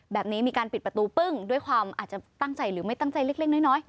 แบบนี้มีการปิดประตูปึ้งด้วยความอาจจะตั้งใจหรือไม่ตั้งใจเล็กน้อย